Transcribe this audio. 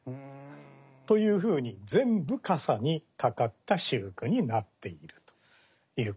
というふうに全部傘に掛かった秀句になっているということです。